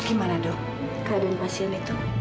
gimana dok keadaan pasien itu